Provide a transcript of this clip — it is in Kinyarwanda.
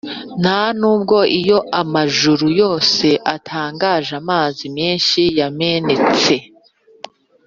ntanubwo iyo amajuru yose atangaje amazi menshi yamenetse.